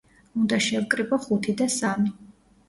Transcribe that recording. უნდა შევკრიბო ხუთი და სამი.